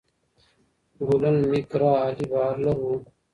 ګلن میک ګرا عالي بالر وو.